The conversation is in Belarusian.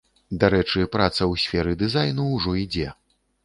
Дарэчы, праца ў сферы дызайну ўжо ідзе.